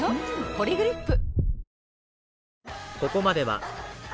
「ポリグリップ」